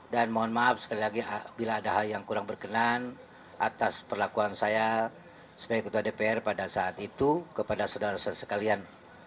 mohon maaf sekali lagi bila ada hal yang kurang berkenan atas perlakuan saya sebagai ketua dpr pada saat itu kepada saudara saudara sekalian